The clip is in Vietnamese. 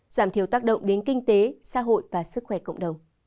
giảm thiểu tác động đến kinh tế xã hội và sức khỏe cộng đồng